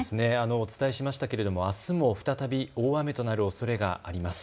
お伝えしましたけれども、あすも再び大雨となるおそれがあります。